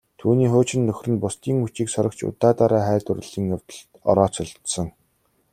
Түүний хуучин нөхөр нь бусдын хүчийг сорогч удаа дараа хайр дурлалын явдалд орооцолдсон.